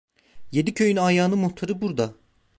Yedi köyün ayanı muhtarı burada…